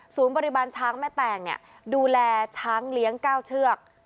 ศูนย์บริบาลช้างแม่แตงนี่ดูแลช้างเลี้ยงก้าวเชือก